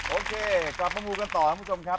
โอเคกลับมามูกันต่อท่านผู้ชมครับ